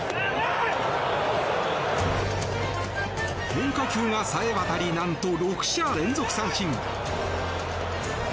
変化球が冴え渡りなんと６者連続三振。